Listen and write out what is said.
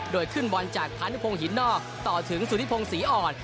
โดยขึ้นบอลจากพานุพงศ์หินนอกต่อถึงสุธิพงศรีอ่อน